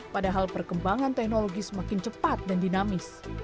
padahal perkembangan teknologi semakin cepat dan dinamis